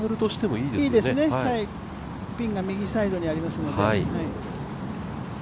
いいですね、ピンが右サイドにありますので。